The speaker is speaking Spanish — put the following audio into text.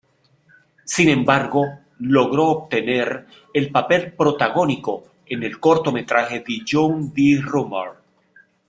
Sin embargo, logró obtener el papel protagónico en el cortometraje "The Youth-The Rumor".